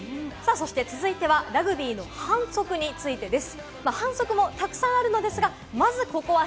続いてはラグビーの反則についてです。